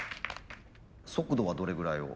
速度はどれぐらいを？